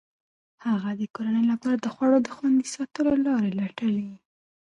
هغه د کورنۍ لپاره د خوړو د خوندي ساتلو لارې لټوي.